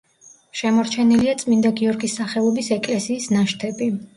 შემორჩენილია წმინდა გიორგის სახელობის ეკლესიის ნაშთები.